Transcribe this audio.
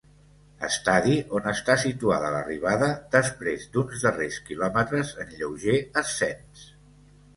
Estadi, on està situada l'arribada, després d'uns darrers quilòmetres en lleuger ascens.